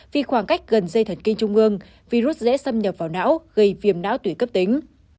vì khoảng cách gần dây thần kinh trung ương virus dễ xâm nhập vào não gây viêm não tủy cấp tính